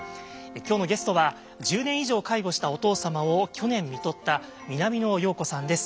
今日のゲストは１０年以上介護したお父様を去年みとった南野陽子さんです。